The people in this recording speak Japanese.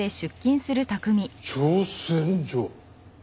挑戦状？